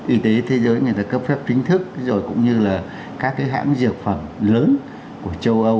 y tế thế giới người ta cấp phép chính thức rồi cũng như là các cái hãng dược phẩm lớn của châu âu